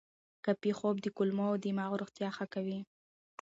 کافي خوب د کولمو او دماغ روغتیا ښه کوي.